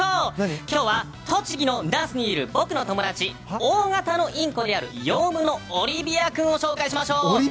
栃木の那須にいる僕の友達大型のインコであるヨウムのオリビア君を紹介しましょう。